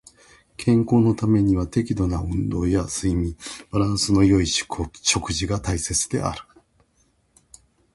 健康のためには適度な運動や睡眠、バランスの良い食事が大切である。